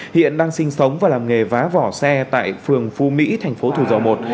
hiện đang sinh sống và làm nghề vá vỏ xe tại phường phu mỹ thành phố thủ dầu một